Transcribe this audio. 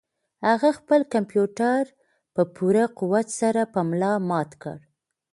هغه خپل کمپیوټر په پوره قوت سره په ملا مات کړ.